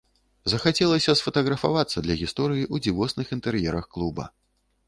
Захацелася сфатаграфавацца для гісторыі ў дзівосных інтэр'ерах клуба.